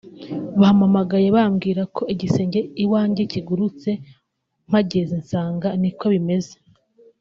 bampamagaye bambwira ko igisenge iwanjye kigurutse mpageze nsanga niko bimeze